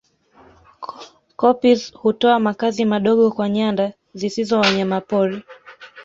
Koppies hutoa makazi madogo kwa nyanda zisizo wanyamapori